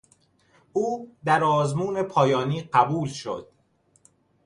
او در آزمون پایانی قبول شد.